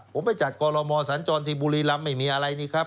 ผมไปจัดกรมอสัญจรที่บุรีรำไม่มีอะไรนี่ครับ